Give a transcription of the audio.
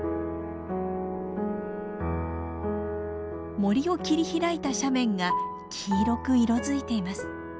森を切り開いた斜面が黄色く色づいています。